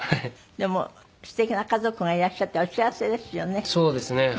でもすてきな家族がいらっしゃってお幸せですよね。